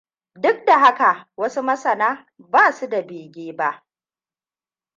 Duk da haka, wasu masana ba su da bege ba.